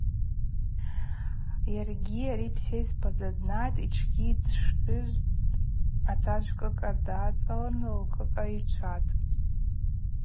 Йаргьи ари псайспадза днайтӏ, йтшгьи дтшыжвцӏтӏ, атажв лкӏыкӏа дацӏалын лкӏыкӏа йчватӏ.